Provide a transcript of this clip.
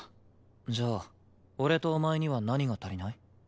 じゃあ俺とお前には何が足りない？